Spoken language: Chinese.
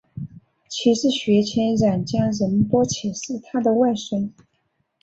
七世雪谦冉江仁波切是他的外孙。